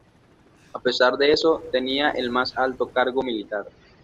A pesar de eso, tenía el más alto cargo militar.